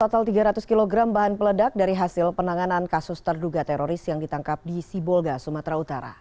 total tiga ratus kg bahan peledak dari hasil penanganan kasus terduga teroris yang ditangkap di sibolga sumatera utara